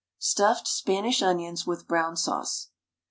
STUFFED SPANISH ONIONS WITH BROWN SAUCE.